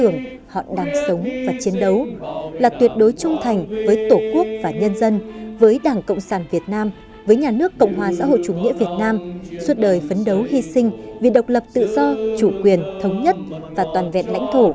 mãi trung thành với đảng với nhà nước và nhân dân